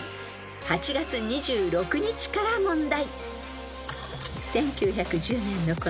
［８月２６日から問題］